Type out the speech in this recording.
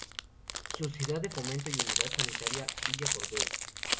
Sociedad de Fomento y Unidad Sanitaria Villa Bordeu.